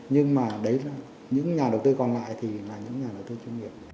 nhưng mà đấy là những nhà đầu tư còn lại thì là những nhà đầu tư chuyên nghiệp